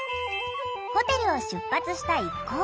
ホテルを出発した一行。